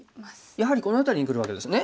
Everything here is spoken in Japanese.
やはりこの辺りにくるわけですね。